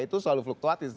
itu selalu fluktuatif